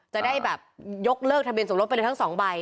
จะได้แบบยกเลิกทะเบียนสมรสไปเลยทั้งสองใบ